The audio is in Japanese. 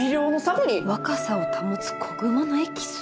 「若さを保つ子熊のエキス」？